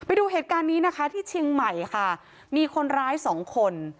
ไปดูเหตุการณ์นี้นะคะที่เชียงใหม่ค่ะมีคนร้ายสองคน